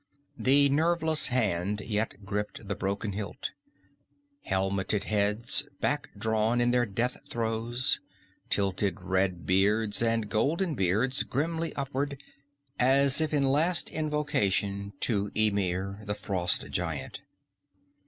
The nerveless hand yet gripped the broken hilt: helmeted heads, back drawn in the death throes, tilted red beards and golden beards grimly upward, as if in last invocation to Ymir the frost giant.